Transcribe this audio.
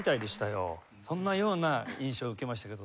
そんなような印象を受けましたけど。